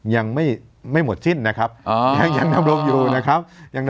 ยังไม่หมดสิ้นนะครับยังดำรงอยู่นะครับ